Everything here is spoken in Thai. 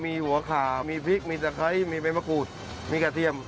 มีหัวขามีพริกมีตะไคร้มีใบมะกรูดมีกระเทียม